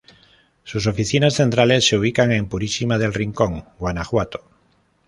Sus oficinas centrales se ubican en Purísima del Rincón, Guanajuato.